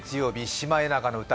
「シマエナガの歌」